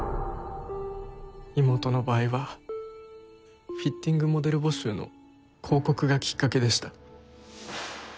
妹の場合はフィッティングモデル募集の広告がきっかけでした。